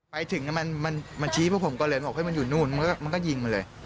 ไปถึงมันชี้พวกผมก็เลยบอกมันอยู่นู่นมันก็ยิงมันเลย